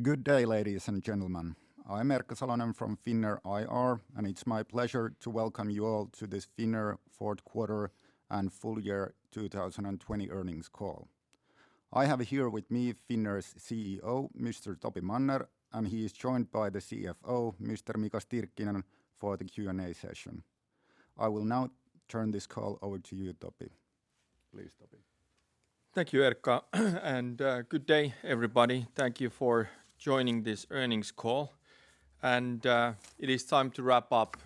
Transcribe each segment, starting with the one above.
Good day, ladies and gentlemen. I am Erkka Salonen from Finnair IR, and it is my pleasure to welcome you all to this Finnair fourth quarter and full year 2020 earnings call. I have here with me Finnair's CEO, Mr. Topi Manner, and he is joined by the CFO, Mr. Mika Stirkkinen, for the Q&A session. I will now turn this call over to you, Topi. Please, Topi. Thank you, Erkka. Good day, everybody. Thank you for joining this earnings call. It is time to wrap up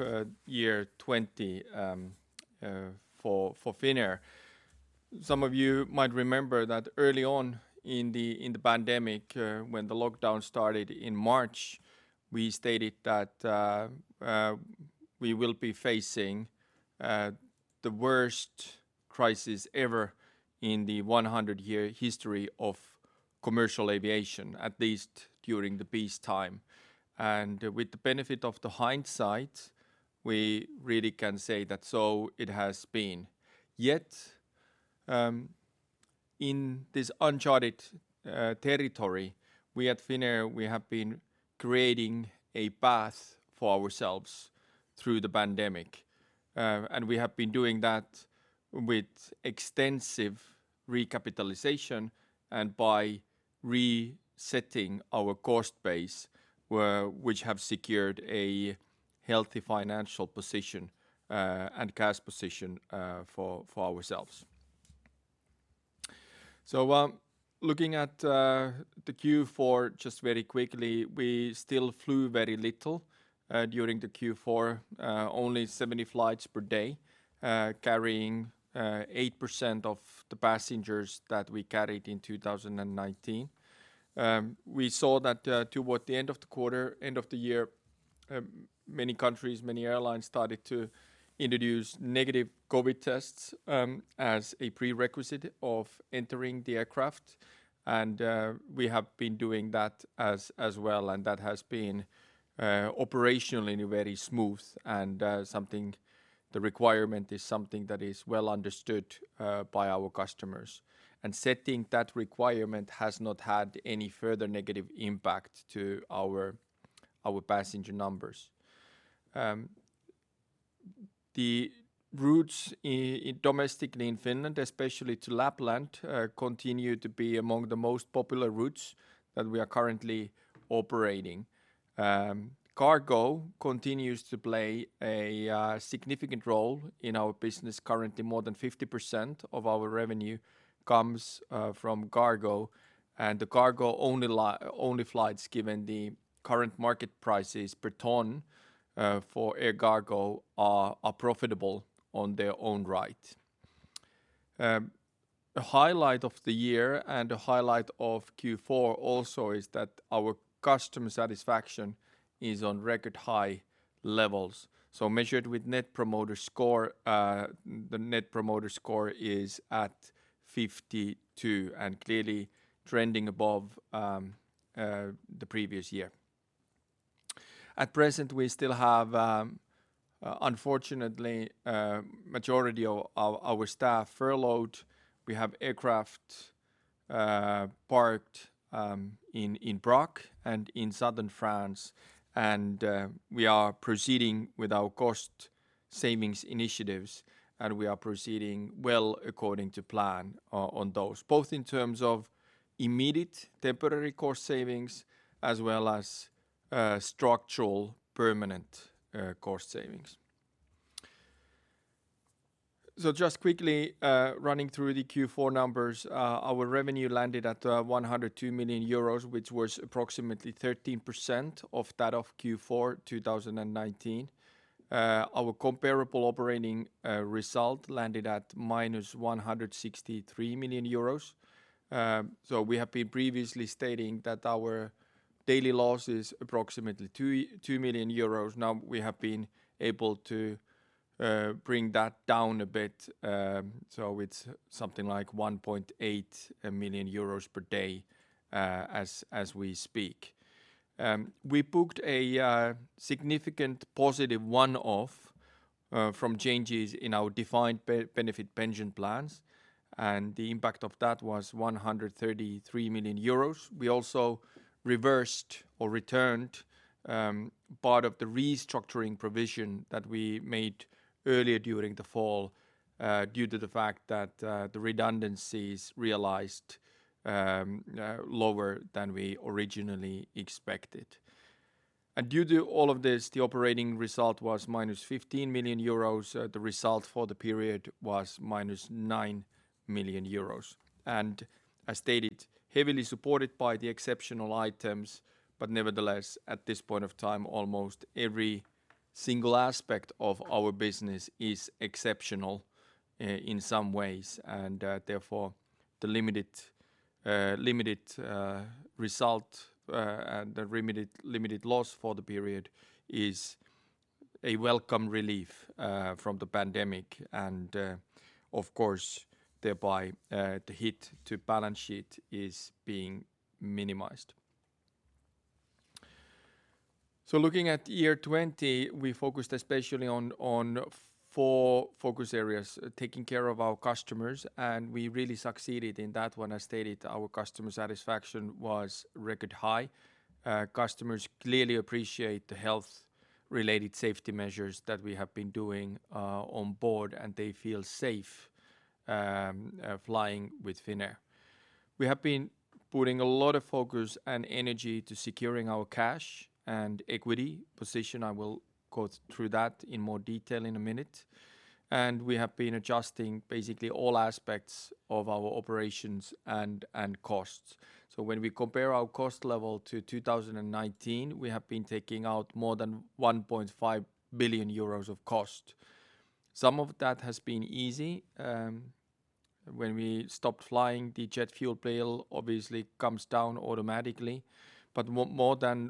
year 2020 for Finnair. Some of you might remember that early on in the pandemic, when the lockdown started in March, we stated that we will be facing the worst crisis ever in the 100-year history of commercial aviation, at least during the peacetime. With the benefit of the hindsight, we really can say that so it has been. Yet, in this uncharted territory, we at Finnair, we have been creating a path for ourselves through the pandemic. We have been doing that with extensive recapitalization and by resetting our cost base, which have secured a healthy financial position and cash position for ourselves. Looking at the Q4 just very quickly, we still flew very little during the Q4, only 70 flights per day carrying 8% of the passengers that we carried in 2019. We saw that toward the end of the quarter, end of the year, many countries, many airlines started to introduce negative COVID tests as a prerequisite of entering the aircraft, and we have been doing that as well, and that has been operationally very smooth and the requirement is something that is well understood by our customers. Setting that requirement has not had any further negative impact to our passenger numbers. The routes domestically in Finland, especially to Lapland, continue to be among the most popular routes that we are currently operating. Cargo continues to play a significant role in our business. Currently, more than 50% of our revenue comes from cargo, and the cargo-only flights, given the current market prices per ton for air cargo, are profitable on their own right. A highlight of the year and a highlight of Q4 also is that our customer satisfaction is on record high levels. Measured with Net Promoter Score, the Net Promoter Score is at 52 and clearly trending above the previous year. At present, we still have, unfortunately, majority of our staff furloughed. We have aircraft parked in Prague and in Southern France, and we are proceeding with our cost savings initiatives. We are proceeding well according to plan on those, both in terms of immediate temporary cost savings as well as structural permanent cost savings. Just quickly running through the Q4 numbers, our revenue landed at 102 million euros, which was approximately 13% of that of Q4 2019. Our comparable operating result landed at minus 163 million euros. We have been previously stating that our daily loss is approximately 2 million euros. Now we have been able to bring that down a bit, so it's something like 1.8 million euros per day as we speak. We booked a significant positive one-off from changes in our defined benefit pension plans, and the impact of that was 133 million euros. We also reversed or returned part of the restructuring provision that we made earlier during the fall due to the fact that the redundancies realized lower than we originally expected. Due to all of this, the operating result was minus 15 million euros. The result for the period was minus 9 million euros. As stated, heavily supported by the exceptional items, but nevertheless, at this point of time, almost every single aspect of our business is exceptional in some ways, and therefore the limited result and the limited loss for the period is a welcome relief from the pandemic. Of course, thereby, the hit to balance sheet is being minimized. Looking at year 2020, we focused especially on four focus areas, taking care of our customers, and we really succeeded in that one. I stated our customer satisfaction was record high. Customers clearly appreciate the health-related safety measures that we have been doing on board, and they feel safe flying with Finnair. We have been putting a lot of focus and energy to securing our cash and equity position. I will go through that in more detail in a minute. We have been adjusting basically all aspects of our operations and costs. When we compare our cost level to 2019, we have been taking out more than 1.5 billion euros of cost. Some of that has been easy. When we stopped flying, the jet fuel bill obviously comes down automatically. More than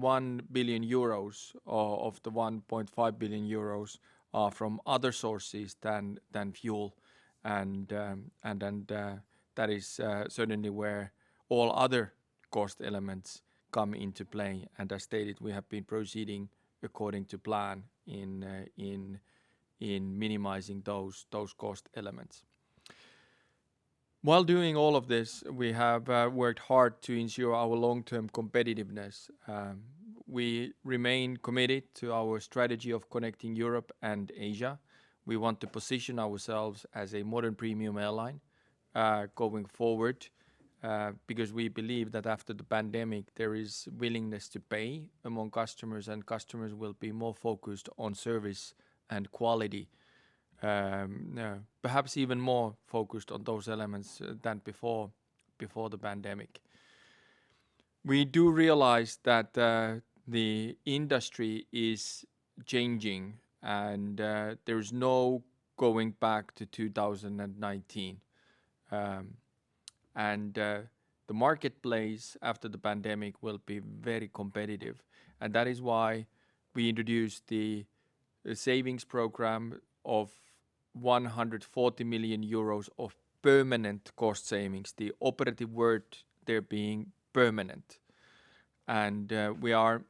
1 billion euros of the 1.5 billion euros are from other sources than fuel, that is certainly where all other cost elements come into play. I stated we have been proceeding according to plan in minimizing those cost elements. While doing all of this, we have worked hard to ensure our long-term competitiveness. We remain committed to our strategy of connecting Europe and Asia. We want to position ourselves as a modern premium airline going forward, because we believe that after the pandemic, there is willingness to pay among customers, and customers will be more focused on service and quality. Perhaps even more focused on those elements than before the pandemic. We do realize that the industry is changing, and there is no going back to 2019. The marketplace after the pandemic will be very competitive, and that is why we introduced the savings program of 140 million euros of permanent cost savings, the operative word there being permanent. We are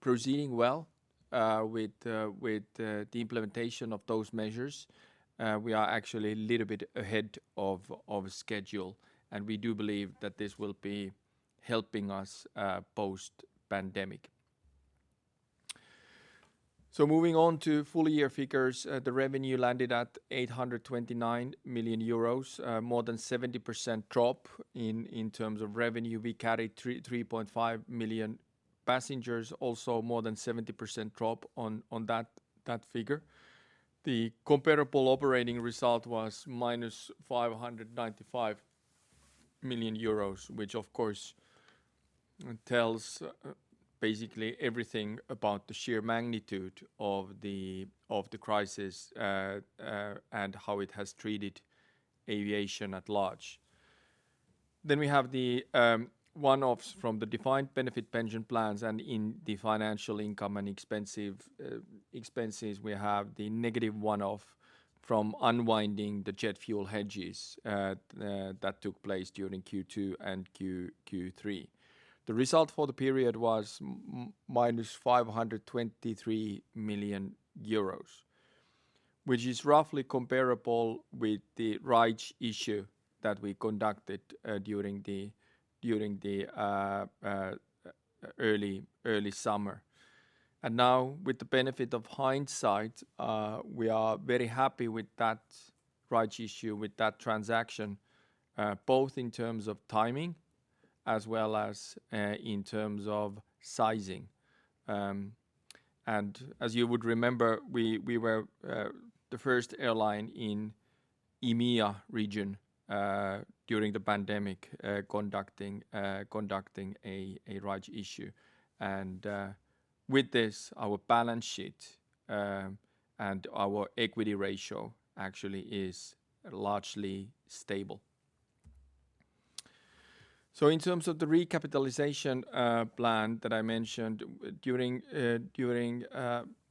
proceeding well with the implementation of those measures. We are actually a little bit ahead of schedule, and we do believe that this will be helping us post-pandemic. Moving on to full-year figures. The revenue landed at 829 million euros, more than 70% drop in terms of revenue. We carried 3.5 million passengers, also more than 70% drop on that figure. The comparable operating result was minus 595 million euros, which of course tells basically everything about the sheer magnitude of the crisis and how it has treated aviation at large. We have the one-offs from the defined benefit pension plans and in the financial income and expenses, we have the negative one-off from unwinding the jet fuel hedges that took place during Q2 and Q3. The result for the period was minus 523 million euros, which is roughly comparable with the rights issue that we conducted during the early summer. Now with the benefit of hindsight, we are very happy with that rights issue, with that transaction, both in terms of timing as well as in terms of sizing. As you would remember, we were the first airline in EMEA region during the pandemic conducting a rights issue. With this, our balance sheet and our equity ratio actually is largely stable. In terms of the recapitalization plan that I mentioned during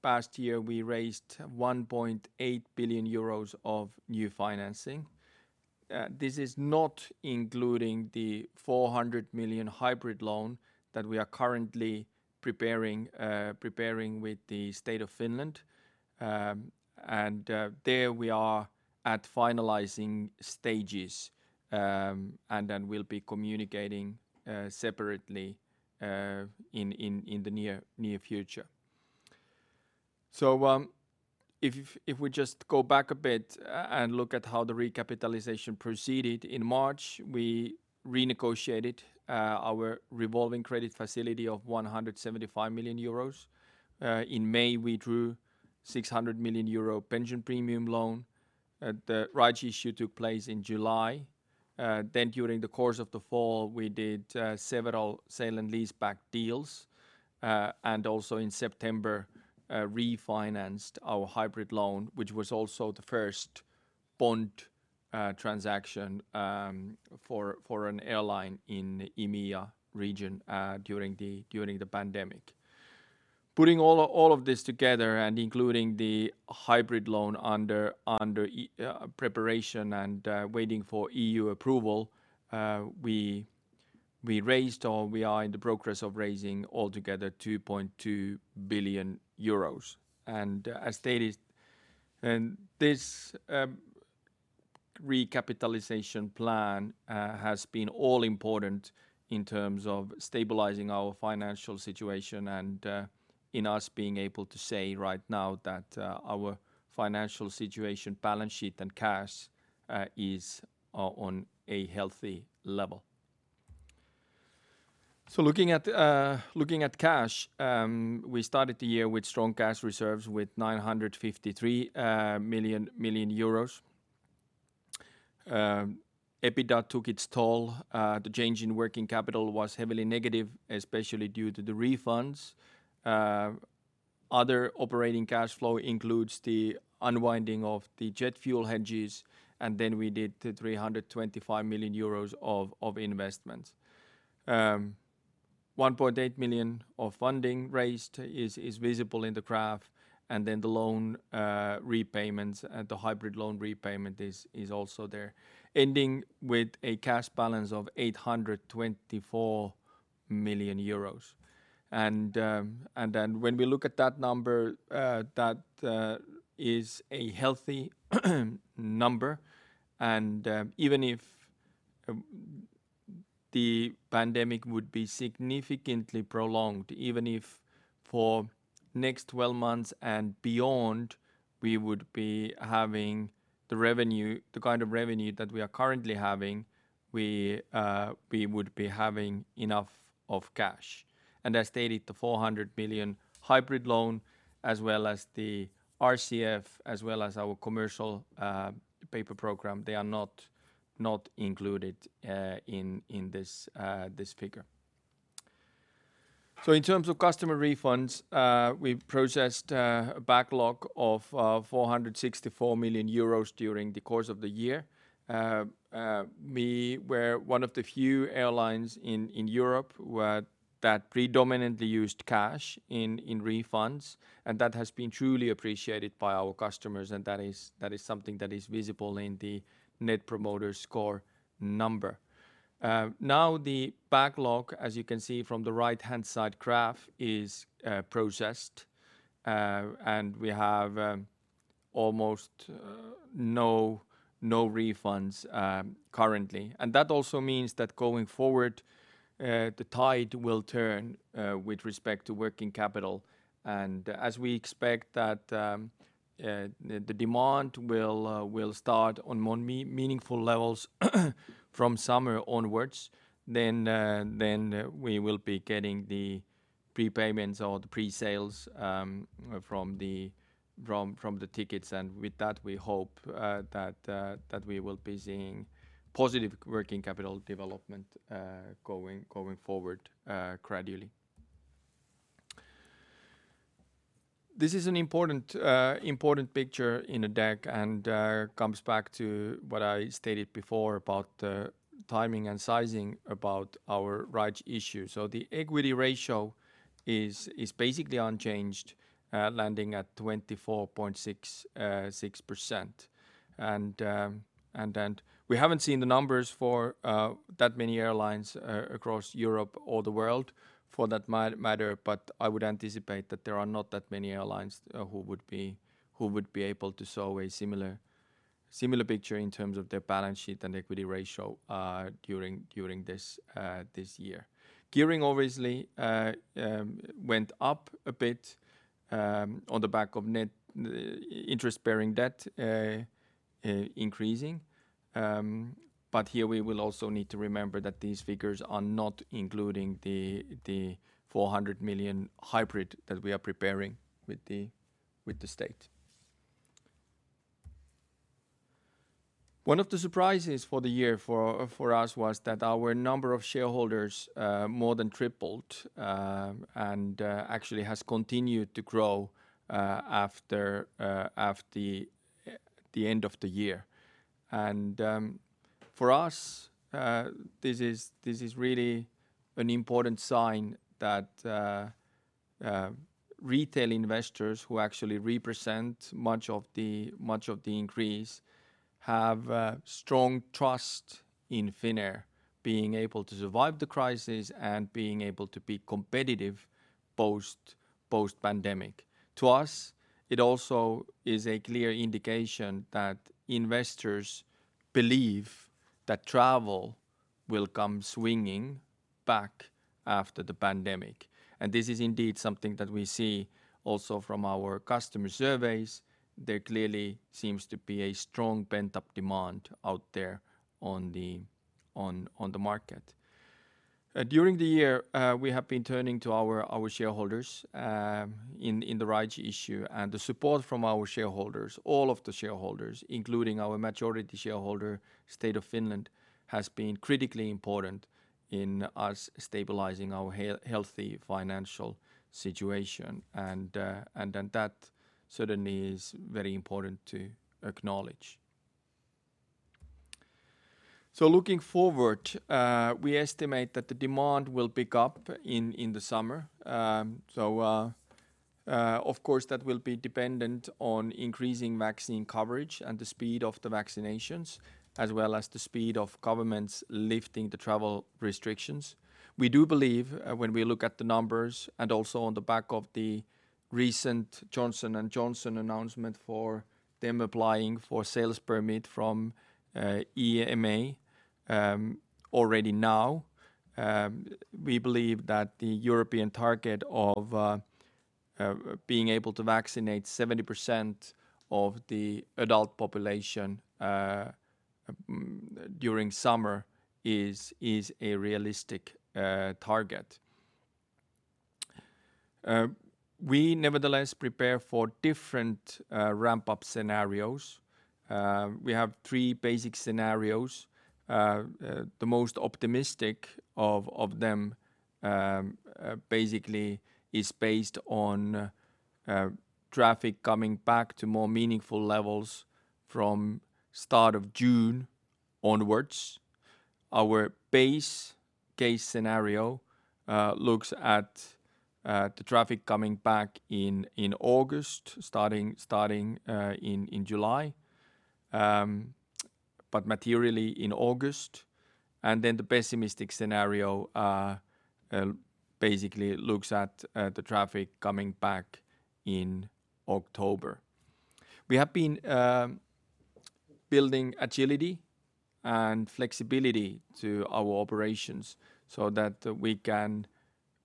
past year, we raised 1.8 billion euros of new financing. This is not including the 400 million hybrid loan that we are currently preparing with the State of Finland. There we are at finalizing stages, and then we'll be communicating separately in the near future. If we just go back a bit and look at how the recapitalization proceeded in March, we renegotiated our revolving credit facility of 175 million euros. In May, we drew 600 million euro pension premium loan. The rights issue took place in July. During the course of the fall, we did several sale and lease-back deals. Also in September, refinanced our hybrid loan, which was also the first bond transaction for an airline in EMEA region during the pandemic. Putting all of this together including the hybrid loan under preparation and waiting for EU approval, we raised, or we are in the progress of raising altogether 2.2 billion euros. This recapitalization plan has been all important in terms of stabilizing our financial situation and in us being able to say right now that our financial situation, balance sheet, and cash is on a healthy level. Looking at cash, we started the year with strong cash reserves with 953 million euros. EBITDA took its toll. The change in working capital was heavily negative, especially due to the refunds. Other operating cash flow includes the unwinding of the jet fuel hedges, then we did the 325 million euros of investments. 1.8 million of funding raised is visible in the graph, and then the loan repayments and the hybrid loan repayment is also there, ending with a cash balance of 824 million euros. When we look at that number, that is a healthy number, and even if the pandemic would be significantly prolonged, even if for next 12 months and beyond, we would be having the kind of revenue that we are currently having, we would be having enough of cash. As stated, the 400 million hybrid loan as well as the RCF, as well as our commercial paper program, they are not included in this figure. In terms of customer refunds, we processed a backlog of 464 million euros during the course of the year. We were one of the few airlines in Europe that predominantly used cash in refunds, and that has been truly appreciated by our customers, and that is something that is visible in the Net Promoter Score number. Now the backlog, as you can see from the right-hand side graph, is processed, and we have almost no refunds currently. That also means that going forward, the tide will turn with respect to working capital. As we expect that the demand will start on more meaningful levels from summer onwards, then we will be getting the prepayments or the pre-sales from the tickets. With that we hope that we will be seeing positive working capital development going forward gradually. This is an important picture in the deck and comes back to what I stated before about timing and sizing about our rights issue. The equity ratio is basically unchanged, landing at 24.6%. We haven't seen the numbers for that many airlines across Europe or the world for that matter, but I would anticipate that there are not that many airlines who would be able to show a similar picture in terms of their balance sheet and equity ratio during this year. Gearing obviously went up a bit on the back of net interest-bearing debt increasing. Here we will also need to remember that these figures are not including the 400 million hybrid that we are preparing with the State. One of the surprises for the year for us was that our number of shareholders more than tripled, and actually has continued to grow after the end of the year. For us, this is really an important sign that retail investors who actually represent much of the increase have strong trust in Finnair being able to survive the crisis and being able to be competitive post-pandemic. To us, it also is a clear indication that investors believe that travel will come swinging back after the pandemic. This is indeed something that we see also from our customer surveys. There clearly seems to be a strong pent-up demand out there on the market. During the year, we have been turning to our shareholders in the rights issue and the support from our shareholders, all of the shareholders, including our majority shareholder, State of Finland, has been critically important in us stabilizing our healthy financial situation. That certainly is very important to acknowledge. Looking forward, we estimate that the demand will pick up in the summer. Of course, that will be dependent on increasing vaccine coverage and the speed of the vaccinations, as well as the speed of governments lifting the travel restrictions. We do believe when we look at the numbers and also on the back of the recent Johnson & Johnson announcement for them applying for sales permit from EMA already now, we believe that the European target of being able to vaccinate 70% of the adult population during summer is a realistic target. We nevertheless prepare for different ramp-up scenarios. We have three basic scenarios. The most optimistic of them basically is based on traffic coming back to more meaningful levels from start of June onwards. Our base case scenario looks at the traffic coming back in August, starting in July, but materially in August. The pessimistic scenario basically looks at the traffic coming back in October. We have been building agility and flexibility to our operations so that we can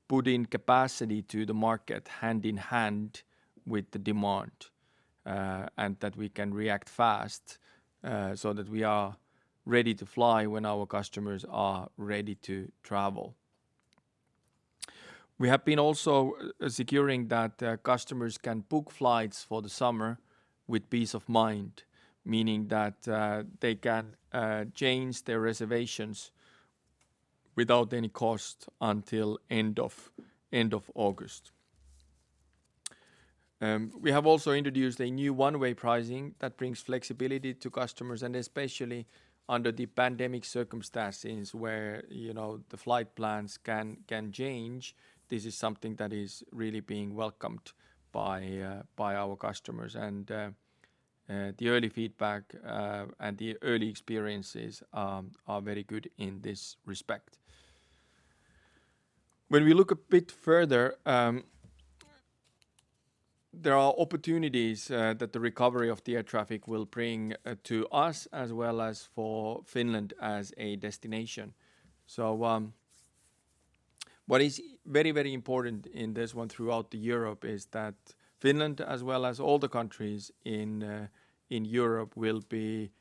put in capacity to the market hand in hand with the demand. That we can react fast, so that we are ready to fly when our customers are ready to travel. We have been also securing that customers can book flights for the summer with peace of mind, meaning that they can change their reservations without any cost until end of August. We have also introduced a new one-way pricing that brings flexibility to customers and especially under the pandemic circumstances where the flight plans can change, this is something that is really being welcomed by our customers. The early feedback and the early experiences are very good in this respect. When we look a bit further, there are opportunities that the recovery of the air traffic will bring to us, as well as for Finland as a destination. What is very important in this one throughout Europe is that Finland, as well as all the countries in Europe, will be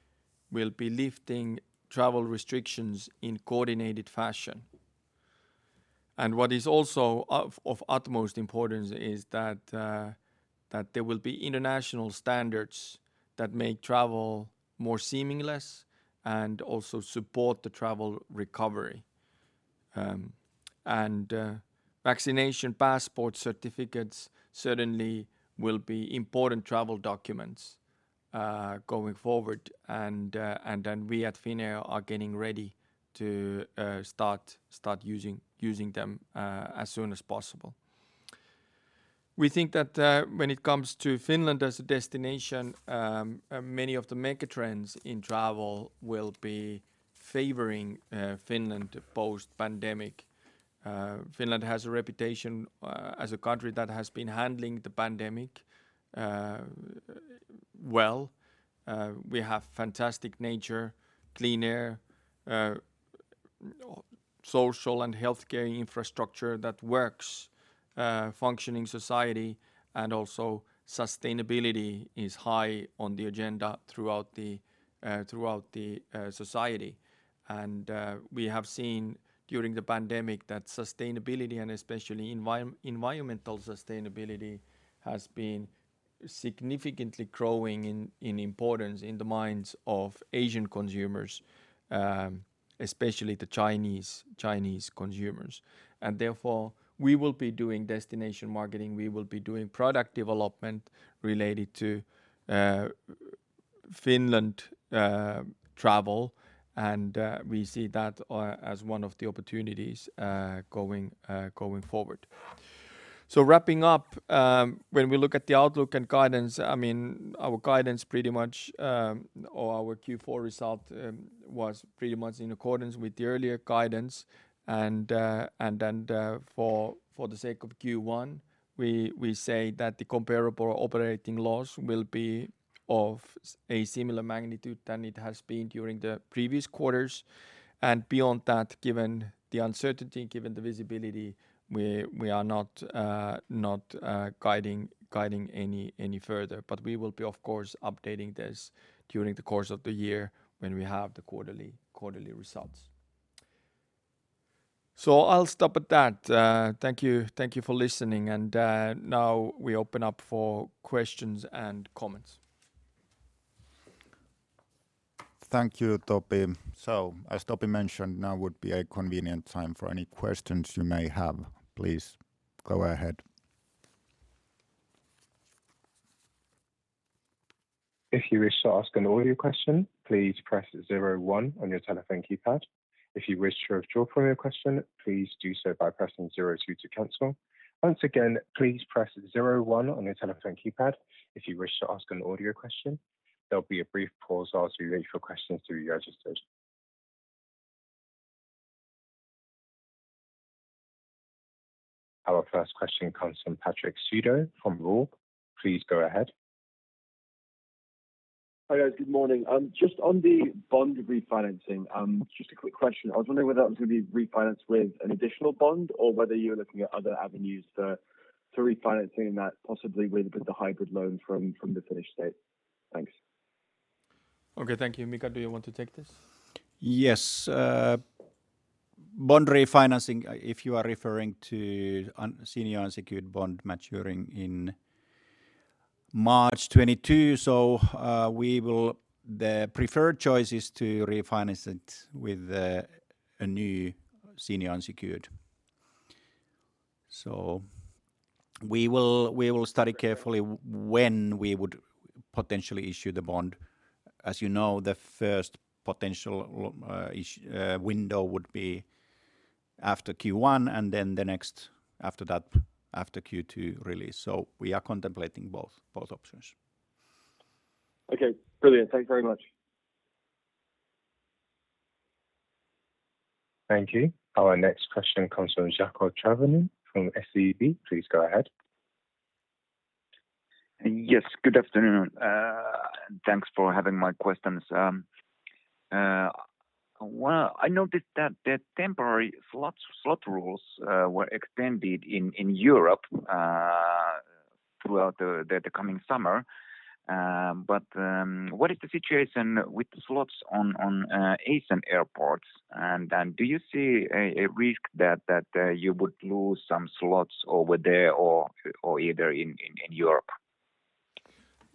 lifting travel restrictions in coordinated fashion. What is also of utmost importance is that there will be international standards that make travel more seamless and also support the travel recovery. Vaccination passport certificates certainly will be important travel documents going forward. Then we at Finnair are getting ready to start using them as soon as possible. We think that when it comes to Finland as a destination, many of the mega trends in travel will be favoring Finland post-pandemic. Finland has a reputation as a country that has been handling the pandemic well. We have fantastic nature, clean air, social and healthcare infrastructure that works, functioning society, and also sustainability is high on the agenda throughout the society. We have seen during the pandemic that sustainability, and especially environmental sustainability, has been significantly growing in importance in the minds of Asian consumers, especially the Chinese consumers. Therefore, we will be doing destination marketing, we will be doing product development related to Finland travel, and we see that as one of the opportunities going forward. Wrapping up, when we look at the outlook and guidance, our Q4 result was pretty much in accordance with the earlier guidance. Then for the sake of Q1, we say that the comparable operating loss will be of a similar magnitude than it has been during the previous quarters. Beyond that, given the uncertainty, given the visibility, we are not guiding any further. We will be, of course, updating this during the course of the year when we have the quarterly results. I'll stop at that. Thank you for listening. Now we open up for questions and comments. Thank you, Topi. As Topi mentioned, now would be a convenient time for any questions you may have. Please go ahead. If you wish to ask an audio question, please press zero one on your telephone keypad. If you wish to two priory question, please do so by pressing zero two to cancel. Once again, please press zero one on your telephone keypad, if you wish to ask an audio question. There'll be a brief pause whilst we register your question through your registered. Our first question comes from Patrick Creuset from Goldman Sachs. Please go ahead. Hi, guys. Good morning. Just on the bond refinancing, just a quick question. I was wondering whether that was going to be refinanced with an additional bond or whether you're looking at other avenues for refinancing that possibly with the hybrid loan from the Finnish State. Thanks. Okay, thank you. Mika, do you want to take this? Yes. Bond refinancing, if you are referring to senior unsecured bond maturing in March 2022. The preferred choice is to refinance it with a new senior unsecured. We will study carefully when we would potentially issue the bond. As you know, the first potential window would be after Q1 and then the next after that, after Q2, really. We are contemplating both options. Okay, brilliant. Thank you very much. Thank you. Our next question comes from Jaakko Tyrväinen from SEB. Please go ahead. Yes, good afternoon. Thanks for having my questions. I noticed that the temporary slot rules were extended in Europe throughout the coming summer. What is the situation with the slots on Asian airports? Do you see a risk that you would lose some slots over there or either in Europe?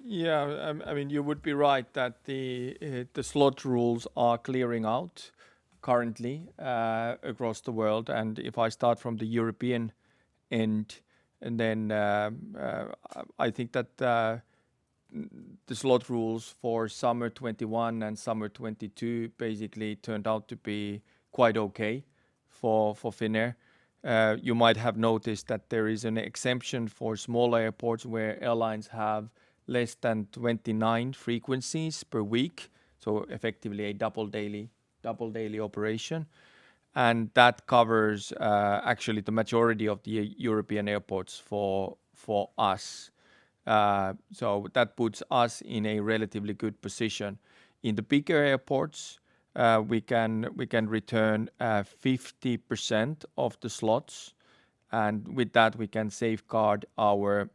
Yeah. You would be right that the slot rules are clearing out currently across the world. If I start from the European end then I think that the slot rules for summer 2021 and summer 2022 basically turned out to be quite okay for Finnair. You might have noticed that there is an exemption for small airports where airlines have less than 29 frequencies per week. Effectively a double daily operation. That covers actually the majority of the European airports for us. That puts us in a relatively good position. In the bigger airports, we can return 50% of the slots and with that we can safeguard our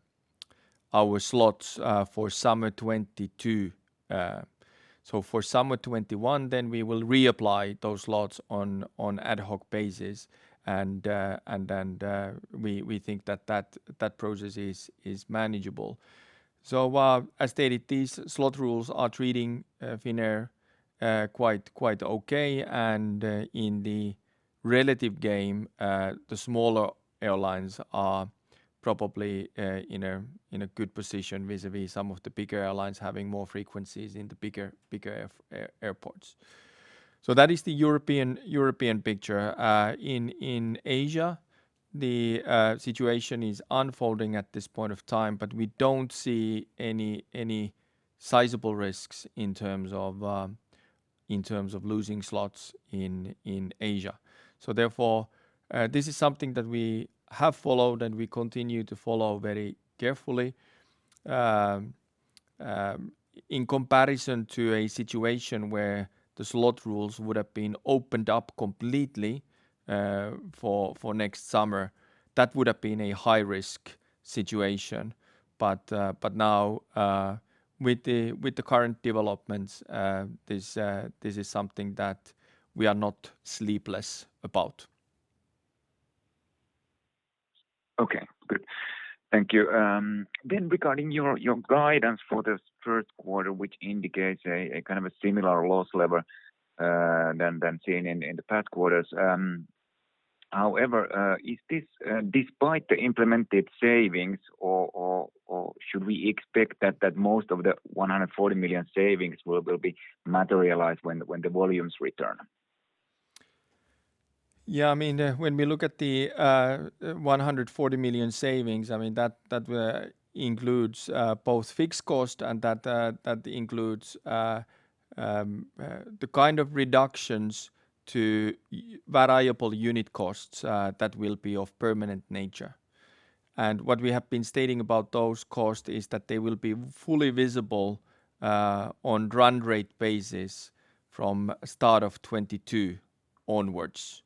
slots for summer 2022. For summer 2021 then we will reapply those slots on ad hoc basis and then we think that process is manageable. As stated, these slot rules are treating Finnair quite okay and in the relative game, the smaller airlines are probably in a good position vis-a-vis some of the bigger airlines having more frequencies in the bigger airports. That is the European picture. In Asia, the situation is unfolding at this point of time, but we don't see any sizable risks in terms of losing slots in Asia. Therefore, this is something that we have followed and we continue to follow very carefully. In comparison to a situation where the slot rules would have been opened up completely for next summer, that would have been a high-risk situation. Now with the current developments, this is something that we are not sleepless about. Okay, good. Thank you. Regarding your guidance for the first quarter, which indicates a kind of a similar loss level than seen in the past quarters. Is this despite the implemented savings or should we expect that most of the 140 million savings will be materialized when the volumes return? When we look at the 140 million savings, that includes both fixed costs and that includes the kind of reductions to variable unit costs that will be of permanent nature. What we have been stating about those costs is that they will be fully visible on run rate basis from start of 2022 onwards.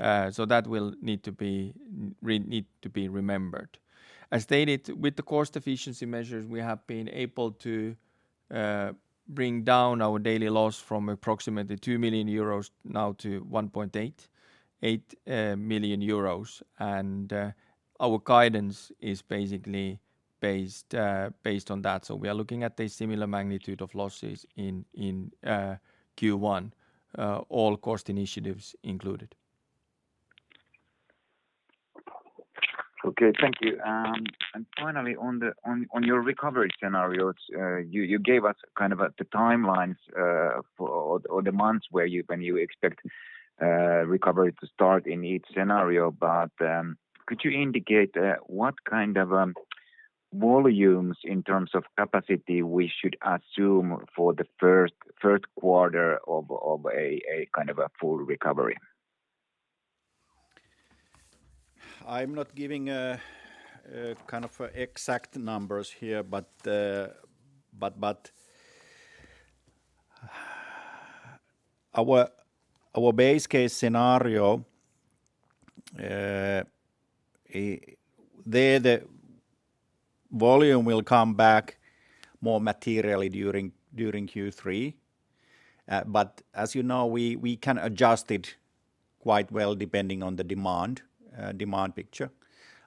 That will need to be remembered. As stated, with the cost efficiency measures, we have been able to bring down our daily loss from approximately 2 million euros now to 1.8 million euros. Our guidance is basically based on that. We are looking at a similar magnitude of losses in Q1, all cost initiatives included. Okay, thank you. Finally, on your recovery scenarios, you gave us the timelines or the months when you expect recovery to start in each scenario. Could you indicate what kind of volumes in terms of capacity we should assume for the first quarter of a full recovery? I'm not giving exact numbers here. Our base case scenario, there the volume will come back more materially during Q3. As you know, we can adjust it quite well depending on the demand picture.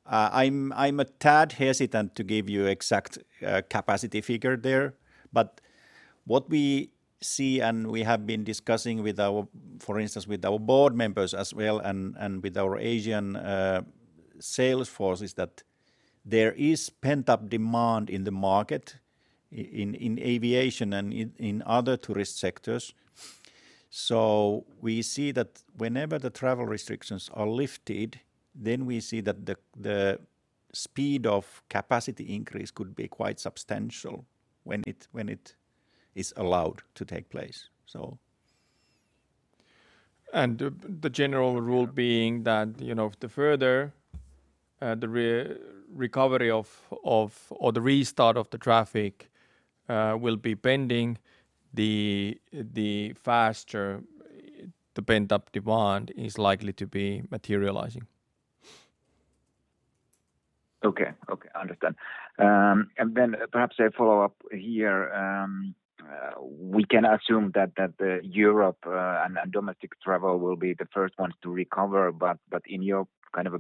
I'm a tad hesitant to give you exact capacity figure there, but what we see and we have been discussing, for instance, with our board members as well and with our Asian sales force, is that there is pent-up demand in the market in aviation and in other tourist sectors. We see that whenever the travel restrictions are lifted, then we see that the speed of capacity increase could be quite substantial when it is allowed to take place. The general rule being that, the further the recovery of or the restart of the traffic will be pending, the faster the pent-up demand is likely to be materializing. Okay. Understand. Perhaps a follow-up here. We can assume that Europe and domestic travel will be the first ones to recover, but in your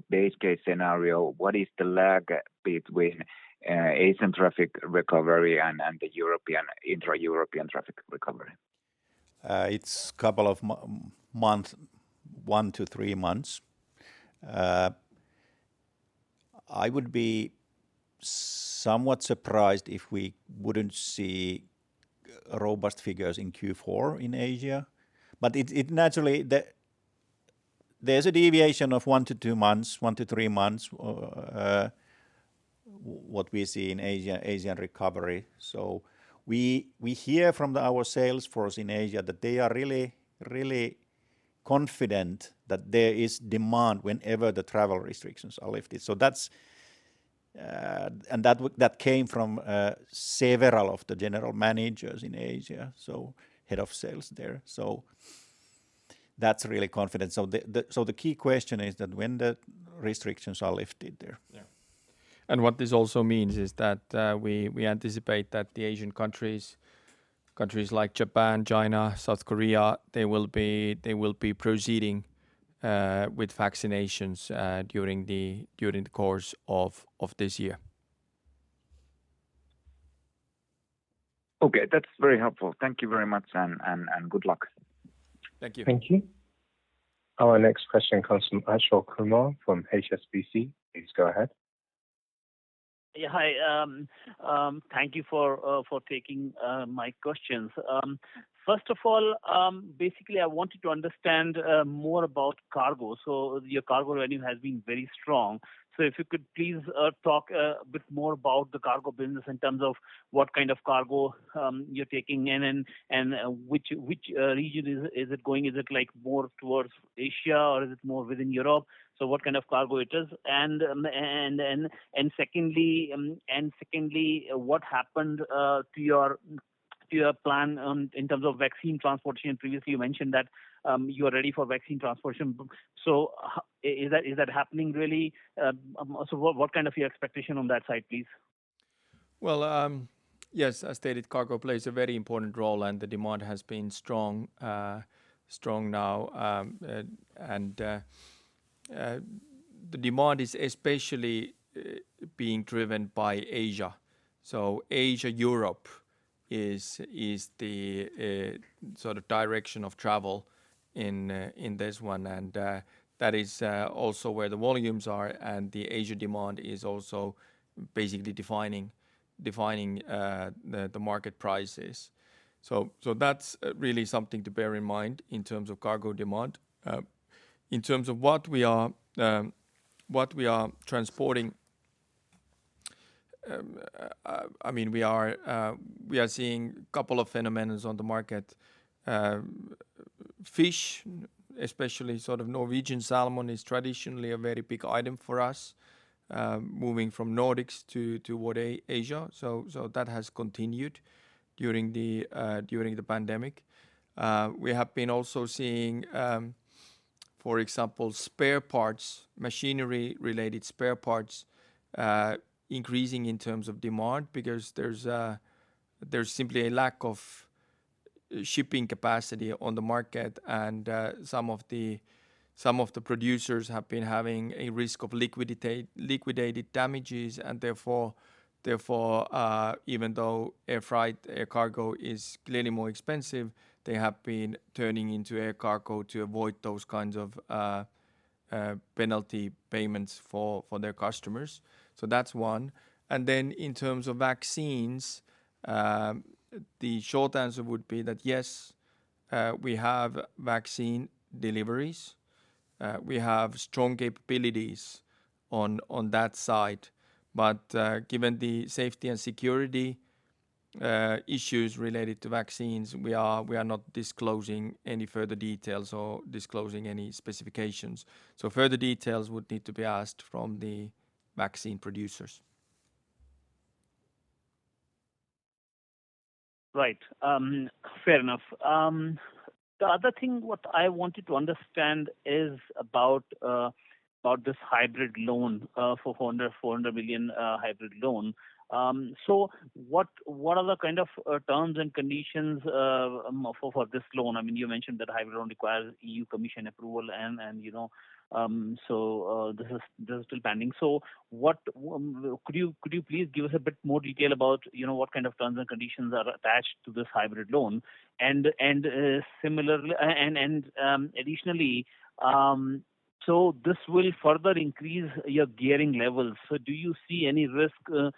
base case scenario, what is the lag between Asian traffic recovery and the intra-European traffic recovery? It's couple of months, one to three months. I would be somewhat surprised if we wouldn't see robust figures in Q4 in Asia. Naturally, there's a deviation of one to three months, what we see in Asian recovery. We hear from our sales force in Asia that they are really confident that there is demand whenever the travel restrictions are lifted. That came from several of the general managers in Asia, so head of sales there. That's really confident. The key question is that when the restrictions are lifted there. Yeah. What this also means is that we anticipate that the Asian countries like Japan, China, South Korea, they will be proceeding with vaccinations during the course of this year. Okay. That's very helpful. Thank you very much, and good luck. Thank you. Thank you. Our next question comes from Ashok Kumar from HSBC. Please go ahead. Yeah. Hi. Thank you for taking my questions. First of all, basically I wanted to understand more about cargo. Your cargo revenue has been very strong. If you could please talk a bit more about the cargo business in terms of what kind of cargo you're taking in and which region is it going? Is it more towards Asia or is it more within Europe? What kind of cargo it is? Secondly, what happened to your plan in terms of vaccine transportation? Previously, you mentioned that you are ready for vaccine transportation. Is that happening really? What kind of your expectation on that side, please? Well, yes, as stated, cargo plays a very important role and the demand has been strong now. The demand is especially being driven by Asia. Asia-Europe is the sort of direction of travel in this one. That is also where the volumes are and the Asia demand is also basically defining the market prices. That's really something to bear in mind in terms of cargo demand. In terms of what we are transporting, we are seeing couple of phenomenons on the market. Fish, especially sort of Norwegian salmon is traditionally a very big item for us, moving from Nordics toward Asia. That has continued during the pandemic. We have been also seeing, for example, machinery-related spare parts increasing in terms of demand because there is simply a lack of shipping capacity on the market and some of the producers have been having a risk of liquidated damages and therefore even though air cargo is clearly more expensive, they have been turning into air cargo to avoid those kinds of penalty payments for their customers. That's one. In terms of vaccines, the short answer would be that, yes, we have vaccine deliveries. We have strong capabilities on that side. Given the safety and security issues related to vaccines, we are not disclosing any further details or disclosing any specifications. Further details would need to be asked from the vaccine producers. Right. Fair enough. The other thing what I wanted to understand is about this hybrid loan, 400 million hybrid loan. What are the kind of terms and conditions for this loan? You mentioned that hybrid loan requires European Commission approval, and this is still pending. Could you please give us a bit more detail about what kind of terms and conditions are attached to this hybrid loan? Additionally, this will further increase your gearing levels. Do you see any risk to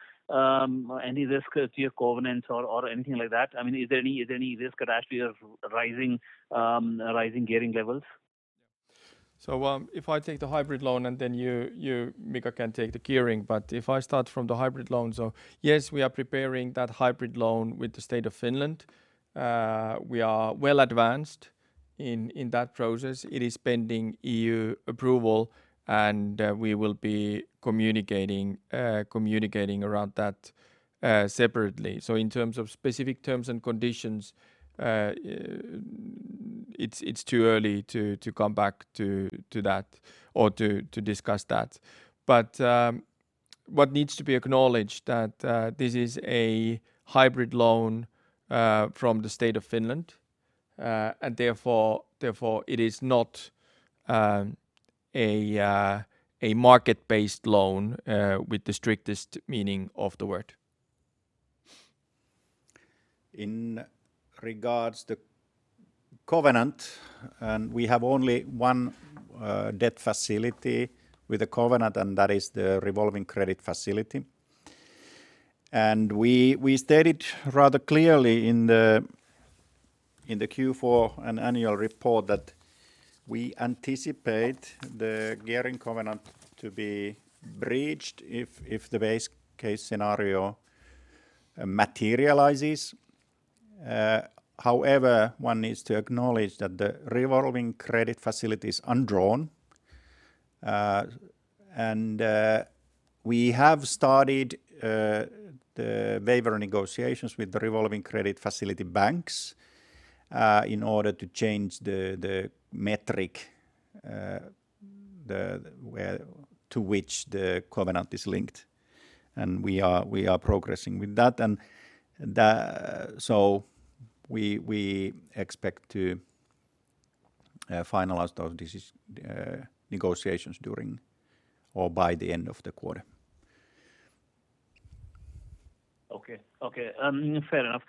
your covenants or anything like that? Is there any risk attached to your rising gearing levels? If I take the hybrid loan and then you, Mika, can take the gearing. If I start from the hybrid loan. Yes, we are preparing that hybrid loan with the State of Finland. We are well advanced in that process. It is pending EU approval, and we will be communicating around that separately. In terms of specific terms and conditions, it's too early to come back to that or to discuss that. What needs to be acknowledged that this is a hybrid loan from the State of Finland, and therefore it is not a market-based loan with the strictest meaning of the word. In regards to covenant, we have only one debt facility with a covenant, and that is the revolving credit facility. We stated rather clearly in the Q4 and annual report that we anticipate the gearing covenant to be breached if the base case scenario materializes. However, one needs to acknowledge that the revolving credit facility is undrawn. We have started the waiver negotiations with the revolving credit facility banks in order to change the metric to which the covenant is linked, and we are progressing with that. We expect to finalize those negotiations during or by the end of the quarter. Okay. Fair enough.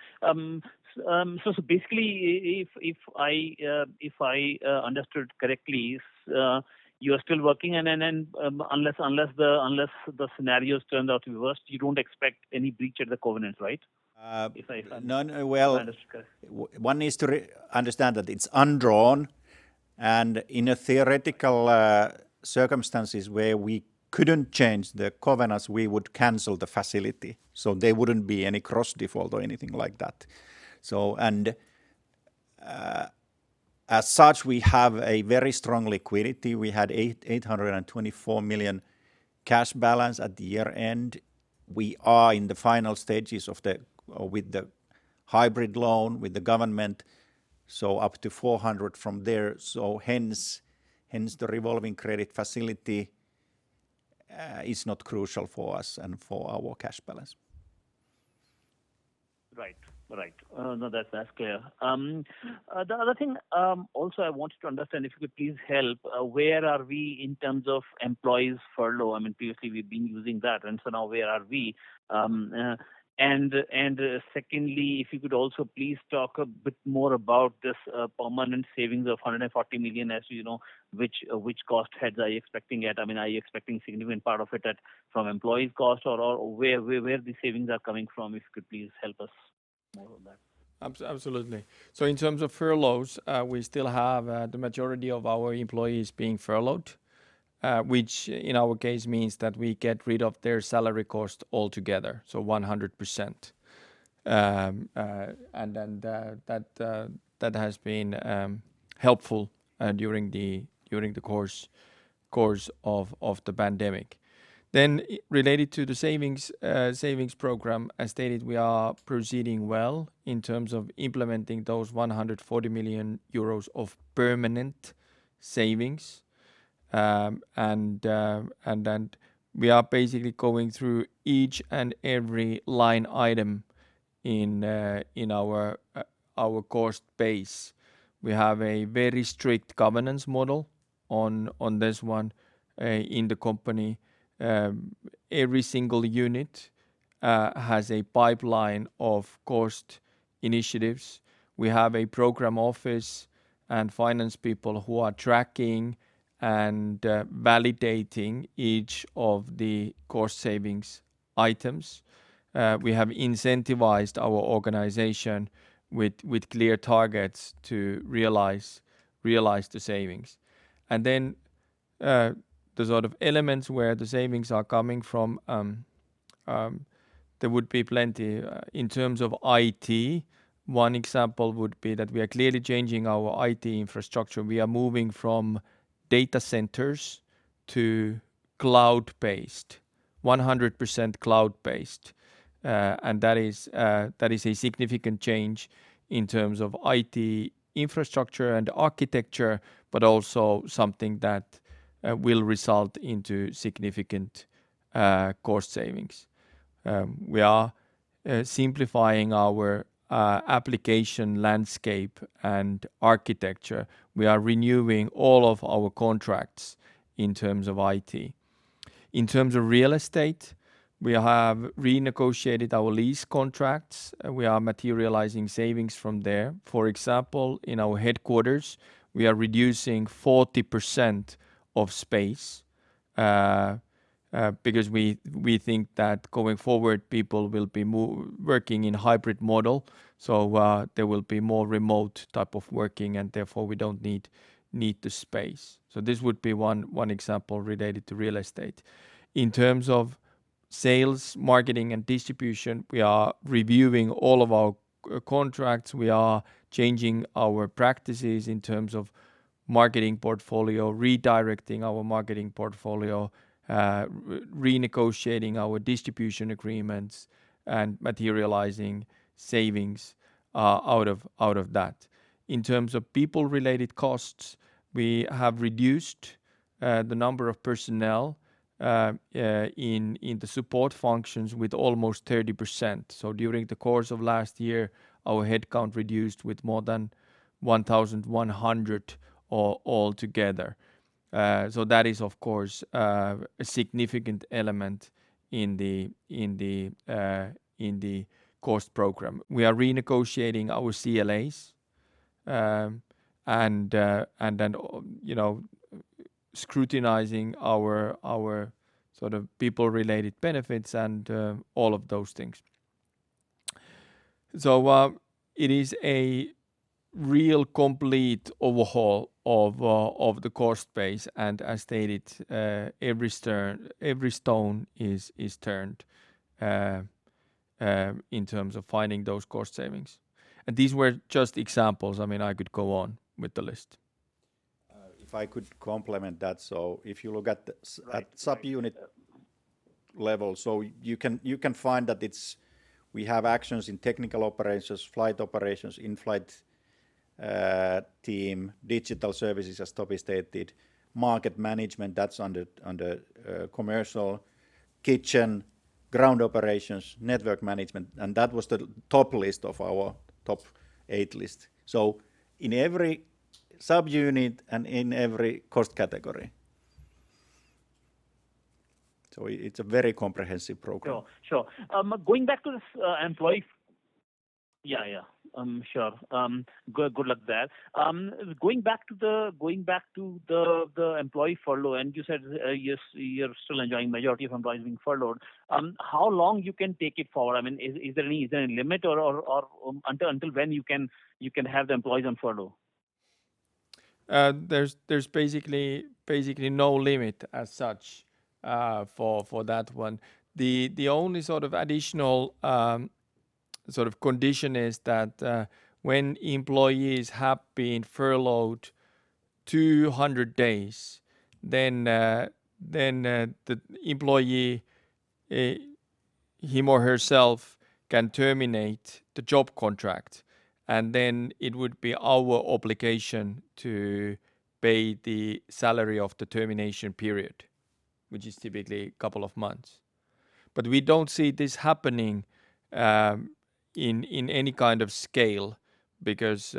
Basically, if I understood correctly, you are still working, and unless the scenarios turn out reversed, you don't expect any breach of the covenant, right? No. Understood. one needs to understand that it's undrawn, and in a theoretical circumstances where we couldn't change the covenants, we would cancel the facility. There wouldn't be any cross default or anything like that. As such, we have a very strong liquidity. We had 824 million cash balance at the year-end. We are in the final stages with the hybrid loan with the government, up to 400 million from there. Hence the revolving credit facility is not crucial for us and for our cash balance. Right. No, that's clear. The other thing also I wanted to understand, if you could please help, where are we in terms of employees furlough? Previously, we've been using that, and so now where are we? Secondly, if you could also please talk a bit more about this permanent savings of 140 million, as you know, which cost heads are you expecting it? Are you expecting significant part of it from employees' cost or where the savings are coming from? If you could please help us more on that. Absolutely. In terms of furloughs, we still have the majority of our employees being furloughed, which in our case means that we get rid of their salary cost altogether, so 100%. That has been helpful during the course of the pandemic. Related to the savings program, as stated, we are proceeding well in terms of implementing those 140 million euros of permanent savings. We are basically going through each and every line item in our cost base. We have a very strict governance model on this one. In the company, every single unit has a pipeline of cost initiatives. We have a program office and finance people who are tracking and validating each of the cost savings items. We have incentivized our organization with clear targets to realize the savings. The elements where the savings are coming from, there would be plenty. In terms of IT, one example would be that we are clearly changing our IT infrastructure. We are moving from data centers to cloud-based, 100% cloud-based. That is a significant change in terms of IT infrastructure and architecture, but also something that will result into significant cost savings. We are simplifying our application landscape and architecture. We are renewing all of our contracts in terms of IT. In terms of real estate, we have renegotiated our lease contracts. We are materializing savings from there. For example, in our headquarters, we are reducing 40% of space, because we think that going forward, people will be working in hybrid model. There will be more remote type of working, and therefore we don't need the space. This would be one example related to real estate. In terms of sales, marketing, and distribution, we are reviewing all of our contracts. We are changing our practices in terms of marketing portfolio, redirecting our marketing portfolio, renegotiating our distribution agreements, and materializing savings out of that. In terms of people-related costs, we have reduced the number of personnel in the support functions with almost 30%. During the course of last year, our headcount reduced with more than 1,100 altogether. That is, of course, a significant element in the cost program. We are renegotiating our CLAs, and then scrutinizing our people-related benefits and all of those things. It is a real complete overhaul of the cost base. As stated every stone is turned in terms of finding those cost savings. These were just examples. I could go on with the list. If I could complement that. Right. The subunit level, you can find that we have actions in technical operations, flight operations, in-flight team, digital services, as Topi stated, market management, that's under commercial, kitchen, ground operations, network management, and that was the top list of our top eight list, in every subunit and in every cost category. It's a very comprehensive program. Sure. Going back to this employee. Yeah. Sure. Good luck there. Going back to the employee furlough, and you said you're still employing majority of employees being furloughed. How long you can take it forward? Is there any limit or until when you can have the employees on furlough? There's basically no limit as such for that one. The only additional condition is that when employees have been furloughed 200 days, then the employee, him or herself, can terminate the job contract, and then it would be our obligation to pay the salary of the termination period, which is typically a couple of months. We don't see this happening in any kind of scale because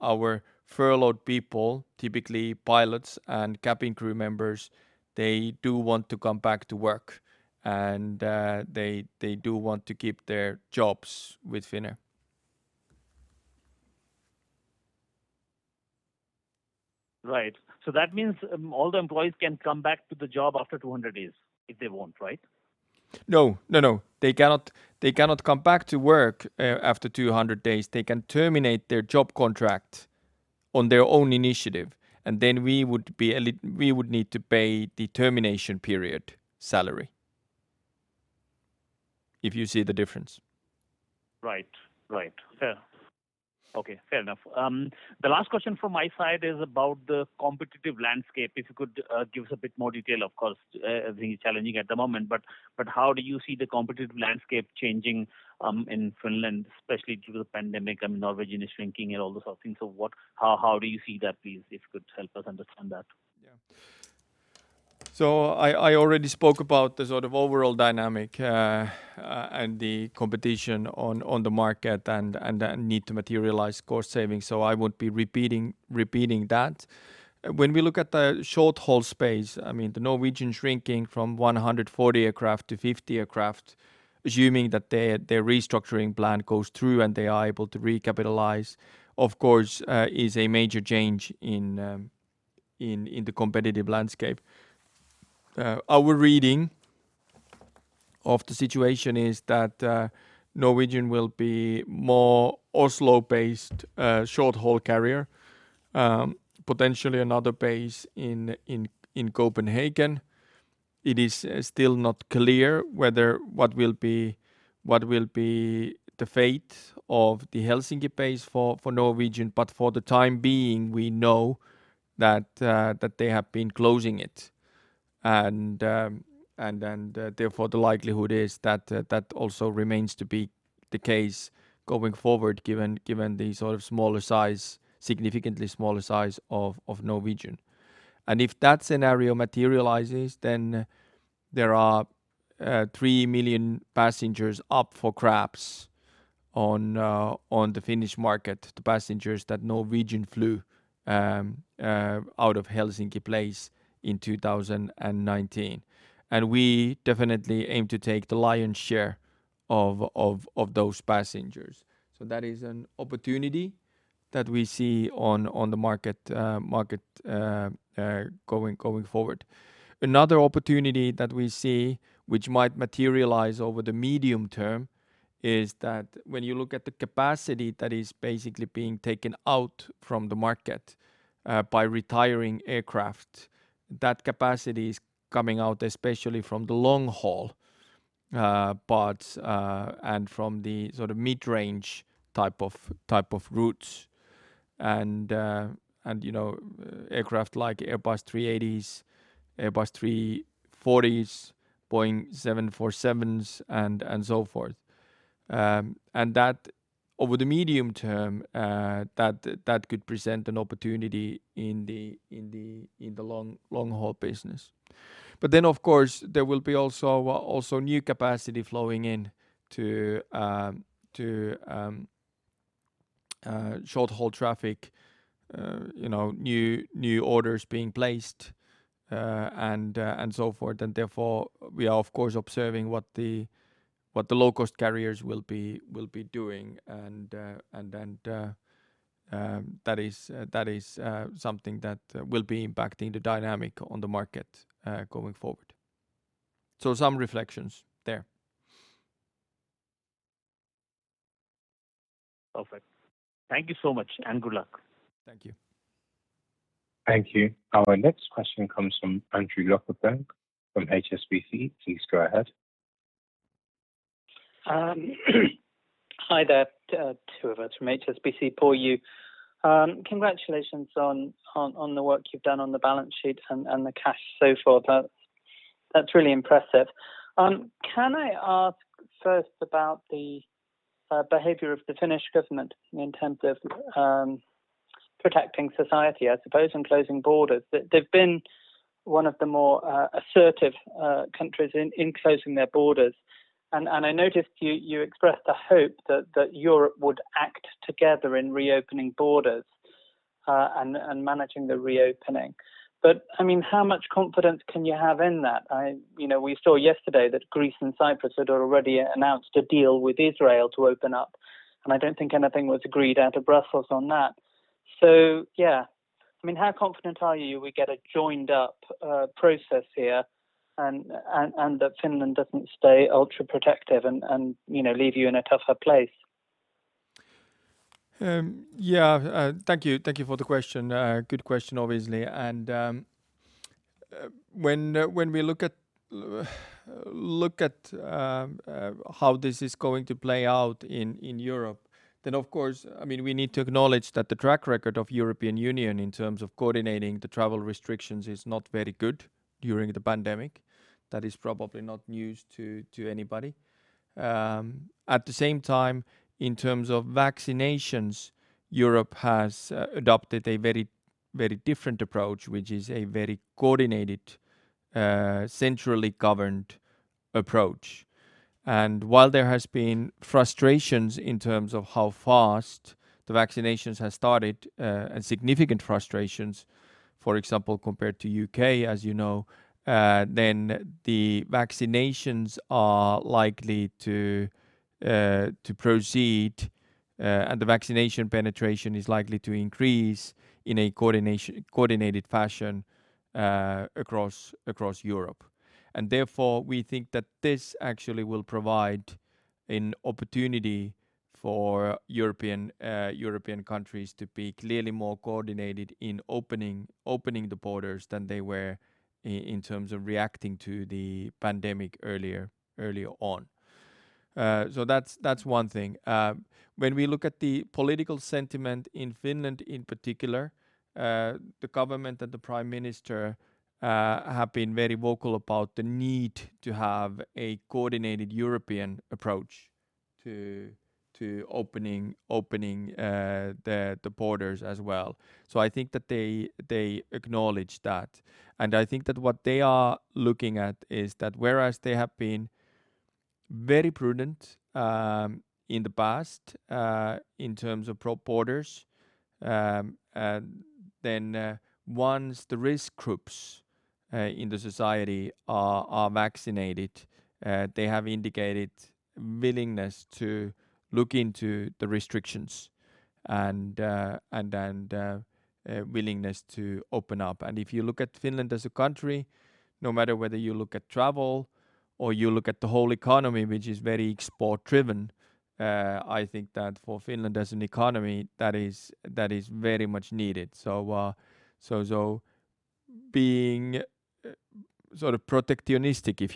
our furloughed people, typically pilots and cabin crew members, they do want to come back to work, and they do want to keep their jobs with Finnair. Right. That means all the employees can come back to the job after 200 days if they want, right? No, they cannot come back to work after 200 days. They can terminate their job contract on their own initiative, and then we would need to pay the termination period salary. If you see the difference. Right. Fair. Okay, fair enough. The last question from my side is about the competitive landscape. If you could give us a bit more detail. Of course, everything is challenging at the moment, but how do you see the competitive landscape changing in Finland, especially due to the pandemic? I mean, Norwegian is shrinking and all those sort of things. How do you see that, please? If you could help us understand that. I already spoke about the overall dynamic and the competition on the market and that need to materialize cost savings. I would be repeating that. When we look at the short-haul space, the Norwegian shrinking from 140 aircraft to 50 aircraft, assuming that their restructuring plan goes through and they are able to recapitalize, of course, is a major change in the competitive landscape. Our reading of the situation is that Norwegian will be more Oslo-based short-haul carrier, potentially another base in Copenhagen. It is still not clear what will be the fate of the Helsinki base for Norwegian. For the time being, we know that they have been closing it. Therefore the likelihood is that also remains to be the case going forward, given the significantly smaller size of Norwegian. If that scenario materializes, then there are 3 million passengers up for grabs on the Finnish market, the passengers that Norwegian flew out of Helsinki in 2019. We definitely aim to take the lion's share of those passengers. That is an opportunity that we see on the market going forward. Another opportunity that we see, which might materialize over the medium term, is that when you look at the capacity that is basically being taken out from the market by retiring aircraft, that capacity is coming out, especially from the long haul parts and from the mid-range type of routes and aircraft like Airbus A380s, Airbus A340s, Boeing 747s, and so forth. Over the medium term, that could present an opportunity in the long haul business. Of course, there will be also new capacity flowing in to short-haul traffic, new orders being placed, and so forth. Therefore, we are, of course, observing what the low-cost carriers will be doing. That is something that will be impacting the dynamic on the market going forward. Some reflections there. Perfect. Thank you so much and good luck. Thank you. Thank you. Our next question comes from Andrew Lobbenberg from HSBC. Please go ahead. Hi there, two of us from HSBC. Paul Yu. Congratulations on the work you've done on the balance sheet and the cash so far. That's really impressive. Can I ask first about the behavior of the Finnish government in terms of protecting society, I suppose, and closing borders? They've been one of the more assertive countries in closing their borders, and I noticed you expressed the hope that Europe would act together in reopening borders and managing the reopening. How much confidence can you have in that? We saw yesterday that Greece and Cyprus had already announced a deal with Israel to open up, and I don't think anything was agreed out of Brussels on that. How confident are you we get a joined-up process here and that Finland doesn't stay ultra-protective and leave you in a tougher place? Yeah. Thank you for the question. Good question, obviously. When we look at how this is going to play out in Europe, then, of course, we need to acknowledge that the track record of European Union in terms of coordinating the travel restrictions is not very good during the pandemic. That is probably not news to anybody. At the same time, in terms of vaccinations, Europe has adopted a very different approach, which is a very coordinated, centrally governed approach. While there has been frustrations in terms of how fast the vaccinations have started, and significant frustrations, for example, compared to U.K., as you know, then the vaccinations are likely to proceed, and the vaccination penetration is likely to increase in a coordinated fashion across Europe. Therefore, we think that this actually will provide an opportunity for European countries to be clearly more coordinated in opening the borders than they were in terms of reacting to the pandemic earlier on. That's one thing. When we look at the political sentiment in Finland, in particular, the government and the prime minister have been very vocal about the need to have a coordinated European approach to opening the borders as well. I think that they acknowledge that, and I think that what they are looking at is that whereas they have been very prudent in the past in terms of borders, then once the risk groups in the society are vaccinated, they have indicated willingness to look into the restrictions and willingness to open up. If you look at Finland as a country, no matter whether you look at travel or you look at the whole economy, which is very export-driven, I think that for Finland as an economy, that is very much needed. Being sort of protectionistic, if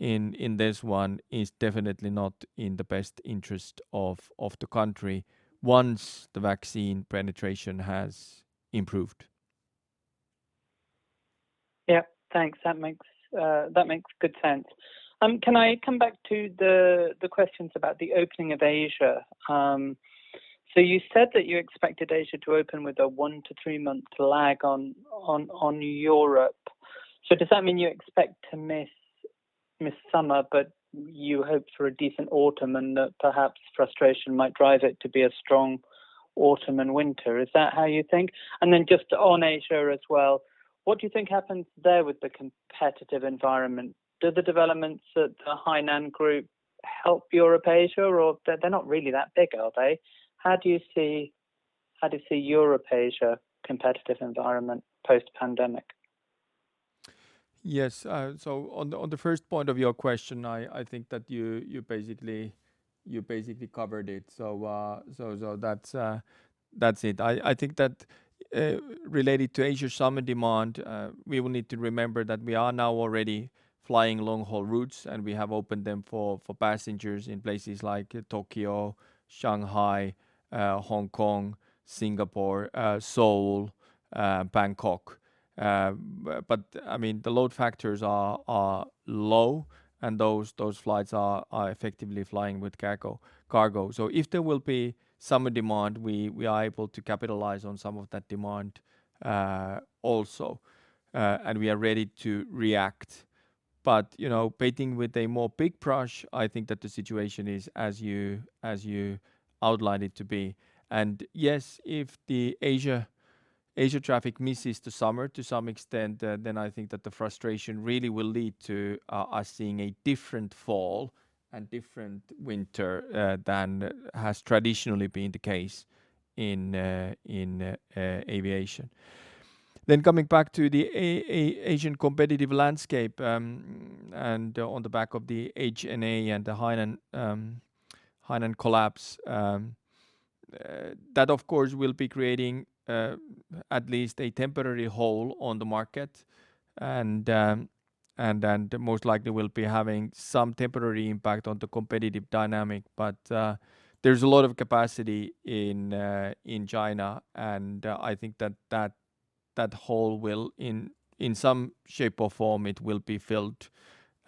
you will, in this one is definitely not in the best interest of the country once the vaccine penetration has improved. Yeah. Thanks. That makes good sense. Can I come back to the questions about the opening of Asia? You said that you expected Asia to open with a one to three month lag on Europe. Does that mean you expect to miss summer, but you hope for a decent autumn, and that perhaps frustration might drive it to be a strong autumn and winter? Is that how you think? Just on Asia as well, what do you think happens there with the competitive environment? Do the developments at the HNA Group help Europe-Asia, or they're not really that big, are they? How do you see Europe-Asia competitive environment post-pandemic? Yes. On the first point of your question, I think that you basically covered it. That's it. I think that related to Asia summer demand, we will need to remember that we are now already flying long-haul routes, and we have opened them for passengers in places like Tokyo, Shanghai, Hong Kong, Singapore, Seoul, Bangkok. The load factors are low and those flights are effectively flying with cargo. If there will be summer demand, we are able to capitalize on some of that demand also, and we are ready to react. Painting with a more big brush, I think that the situation is as you outlined it to be. Yes, if the Asia traffic misses the summer to some extent, then I think that the frustration really will lead to us seeing a different fall and different winter than has traditionally been the case in aviation. Coming back to the Asian competitive landscape, on the back of the HNA and the Hainan collapse. That, of course, will be creating at least a temporary hole on the market, most likely will be having some temporary impact on the competitive dynamic. There's a lot of capacity in China, and I think that that hole will, in some shape or form, it will be filled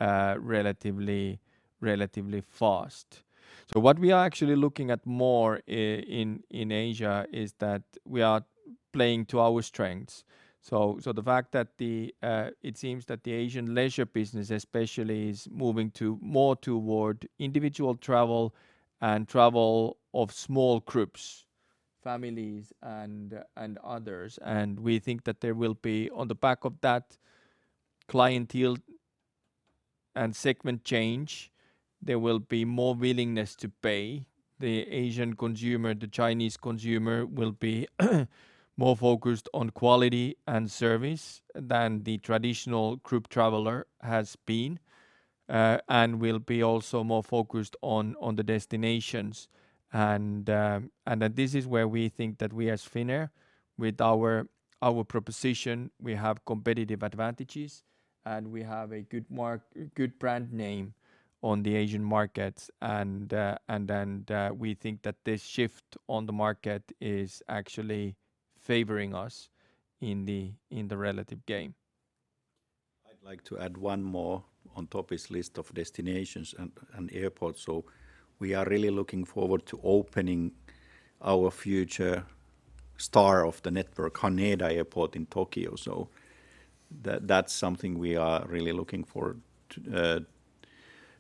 relatively fast. What we are actually looking at more in Asia is that we are playing to our strengths. The fact that it seems that the Asian leisure business especially is moving more toward individual travel and travel of small groups, families, and others. We think that there will be, on the back of that clientele and segment change, there will be more willingness to pay. The Asian consumer, the Chinese consumer, will be more focused on quality and service than the traditional group traveler has been, and will be also more focused on the destinations. This is where we think that we as Finnair, with our proposition, we have competitive advantages and we have a good brand name on the Asian markets. We think that this shift on the market is actually favoring us in the relative game. I'd like to add one more on Topi's list of destinations and airports. We are really looking forward to opening our future star of the network, Haneda Airport in Tokyo. That's something we are really looking for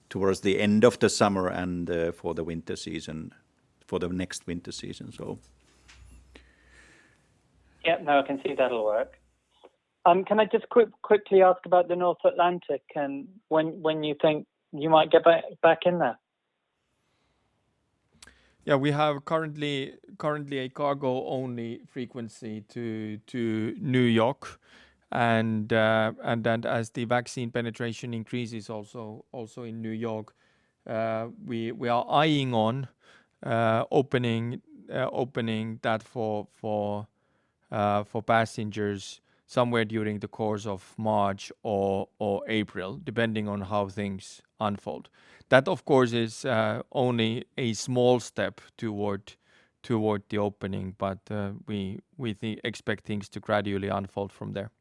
towards the end of the summer and for the next winter season. Yeah. No, I can see that'll work. Can I just quickly ask about the North Atlantic and when you think you might get back in there? We have currently a cargo-only frequency to New York, and as the vaccine penetration increases also in New York, we are eyeing on opening that for passengers somewhere during the course of March or April, depending on how things unfold. That, of course, is only a small step toward the opening, but we expect things to gradually unfold from there.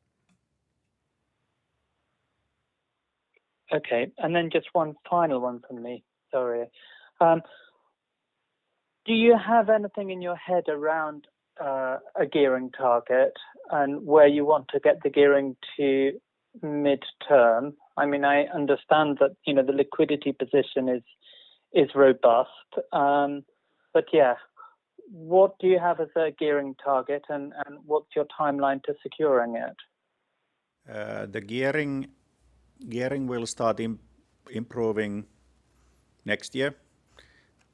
Okay. Just one final one from me. Sorry. Do you have anything in your head around a gearing target and where you want to get the gearing to midterm? I understand that the liquidity position is robust. Yeah. What do you have as a gearing target and what's your timeline to securing it? The gearing will start improving next year.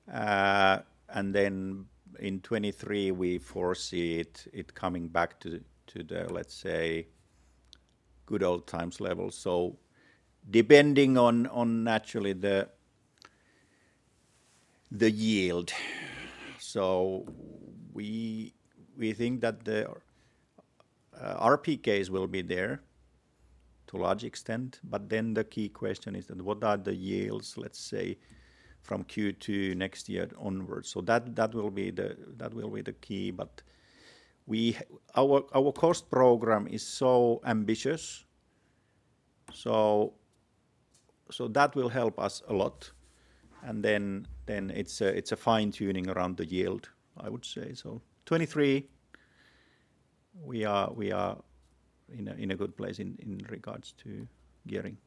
Then in 2023, we foresee it coming back to the, let's say, good old times level. Depending on, naturally, the yield. We think that RPKs will be there to a large extent. Then the key question is that what are the yields, let's say, from Q2 next year onwards? That will be the key, but our cost program is so ambitious, so that will help us a lot. Then it's a fine-tuning around the yield, I would say. 2023, we are in a good place in regards to gearing.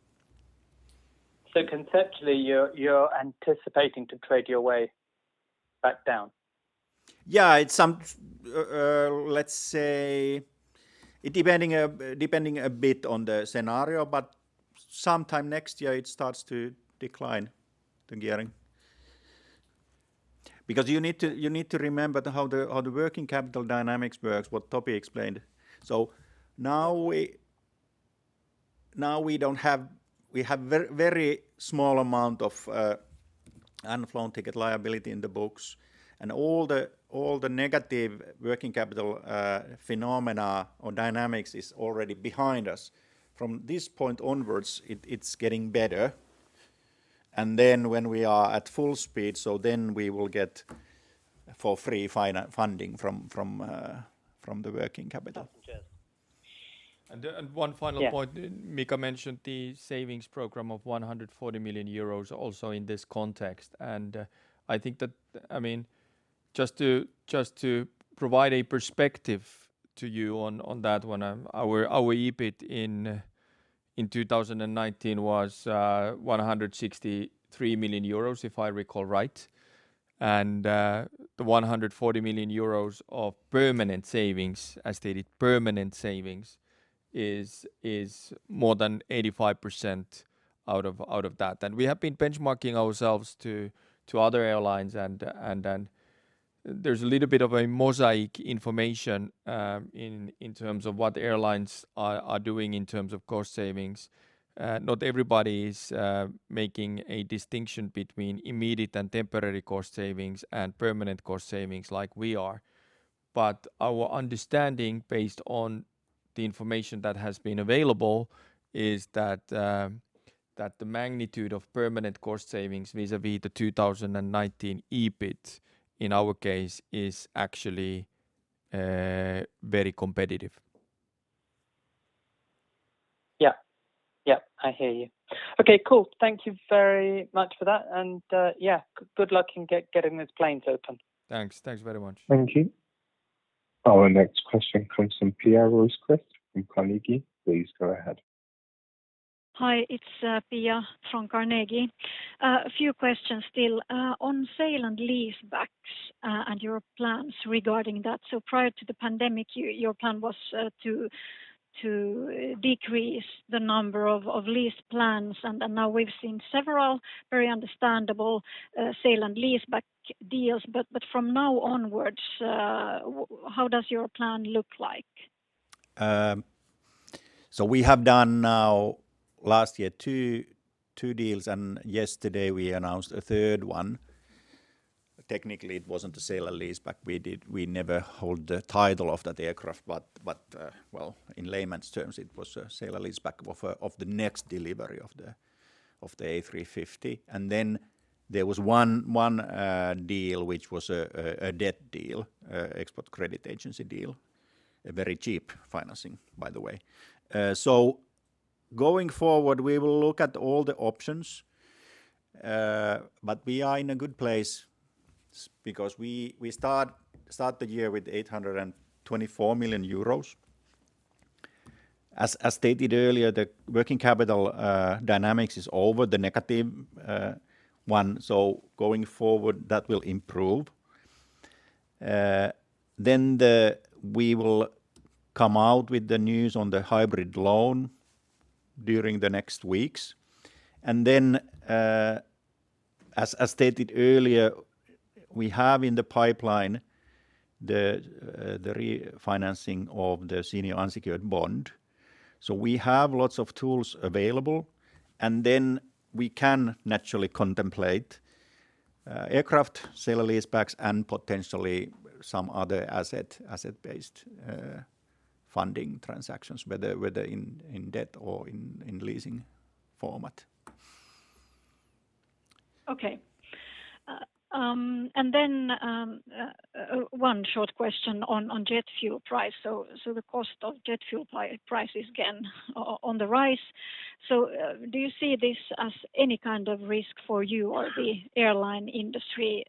Conceptually, you're anticipating to trade your way back down? Yeah. Let's say depending a bit on the scenario, but sometime next year it starts to decline the gearing. Because you need to remember how the working capital dynamics works, what Topi explained. Now we have very small amount of unflown ticket liability in the books, and all the negative working capital phenomena or dynamics is already behind us. From this point onwards, it's getting better. When we are at full speed, so then we will get for free funding from the working capital. Understood. One final point. Yeah. Mika mentioned the savings program of 140 million euros also in this context. I think that just to provide a perspective to you on that one, our EBIT in 2019 was 163 million euros, if I recall right. The 140 million euros of permanent savings, as stated, permanent savings, is more than 85% out of that. We have been benchmarking ourselves to other airlines, and then there's a little bit of a mosaic information in terms of what airlines are doing in terms of cost savings. Not everybody is making a distinction between immediate and temporary cost savings and permanent cost savings like we are. Our understanding based on the information that has been available is that the magnitude of permanent cost savings vis-a-vis the 2019 EBIT in our case is actually very competitive. Yeah. I hear you. Okay, cool. Thank you very much for that and, yeah, good luck in getting those planes open. Thanks very much. Thank you. Our next question comes from Pia Rosqvist from Carnegie. Please go ahead. Hi, it's Pia from Carnegie. A few questions still. On sale and leasebacks, and your plans regarding that. Prior to the pandemic, your plan was to decrease the number of leased planes, and now we've seen several very understandable sale and leaseback deals. From now onwards, how does your plan look like? We have done now last year two deals, and yesterday we announced a third one. Technically, it wasn't a sale and leaseback. We never hold the title of that aircraft. Well, in layman's terms, it was a sale and leaseback of the next delivery of the A350. There was one deal which was a debt deal, export credit agency deal. A very cheap financing, by the way. Going forward, we will look at all the options. We are in a good place because we start the year with 824 million euros. As stated earlier, the working capital dynamics is over the negative one, so going forward, that will improve. We will come out with the news on the hybrid loan during the next weeks. As stated earlier, we have in the pipeline the refinancing of the senior unsecured bond. We have lots of tools available, and then we can naturally contemplate aircraft sale and leasebacks and potentially some other asset-based funding transactions, whether in debt or in leasing format. Okay. One short question on jet fuel price. The cost of jet fuel prices again on the rise. Do you see this as any kind of risk for you or the airline industry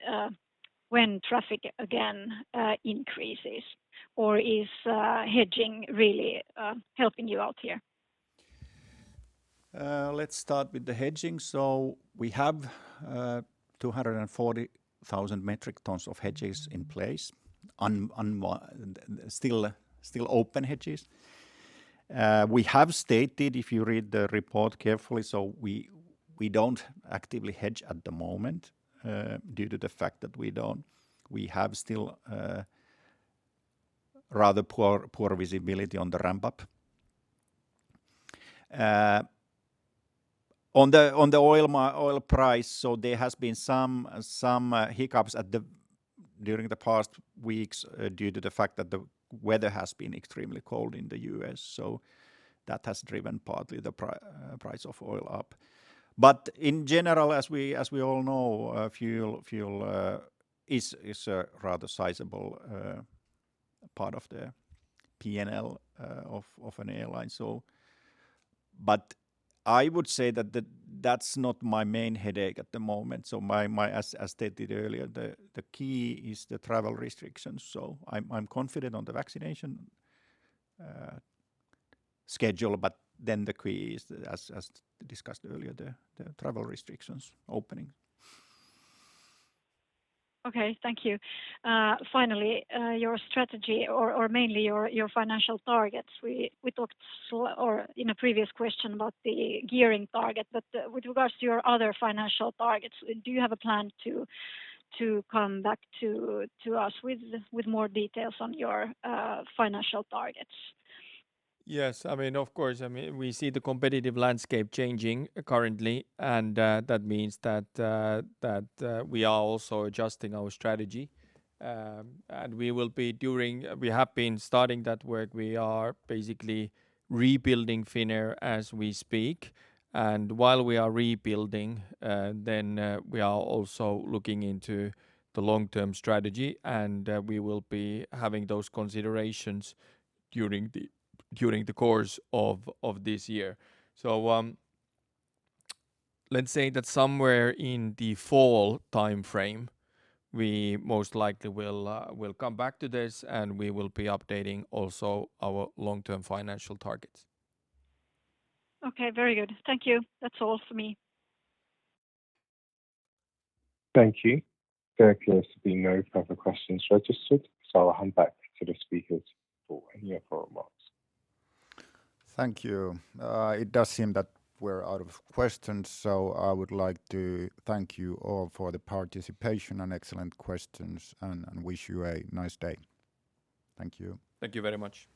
when traffic again increases? Or is hedging really helping you out here? Let's start with the hedging. We have 240,000-metric tons of hedges in place, still open hedges. We have stated, if you read the report carefully, we don't actively hedge at the moment due to the fact that we have still rather poor visibility on the ramp-up. On the oil price, there has been some hiccups during the past weeks due to the fact that the weather has been extremely cold in the U.S., that has driven partly the price of oil up. In general, as we all know, fuel is a rather sizable part of the P&L of an airline. I would say that that's not my main headache at the moment. As stated earlier, the key is the travel restrictions. I'm confident on the vaccination schedule, the key is, as discussed earlier, the travel restrictions opening. Okay. Thank you. Your strategy or mainly your financial targets. We talked in a previous question about the gearing target, with regards to your other financial targets, do you have a plan to come back to us with more details on your financial targets? Yes, of course. We see the competitive landscape changing currently, and that means that we are also adjusting our strategy. We have been starting that work. We are basically rebuilding Finnair as we speak. While we are rebuilding, then we are also looking into the long-term strategy, and we will be having those considerations during the course of this year. Let's say that somewhere in the fall timeframe, we most likely will come back to this, and we will be updating also our long-term financial targets. Okay. Very good. Thank you. That's all for me. Thank you. There appears to be no further questions registered. I'll hand back to the speakers for any further remarks. Thank you. It does seem that we're out of questions. I would like to thank you all for the participation and excellent questions, and wish you a nice day. Thank you. Thank you very much.